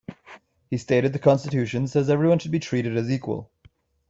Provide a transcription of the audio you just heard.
He stated The Constitution says everyone should be treated as equal.